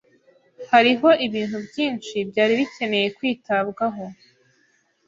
Hariho ibintu byinshi byari bikeneye kwitabwaho,